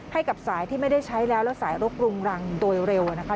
ให้กับสายที่ไม่ได้ใช้แล้วแล้วสายรกรุงรังโดยเร็วนะคะ